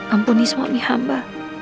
ampuni semua mihamba